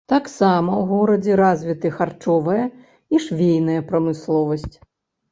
Таксама ў горадзе развіты харчовая і швейная прамысловасць.